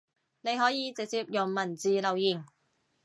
你可以直接用文字留言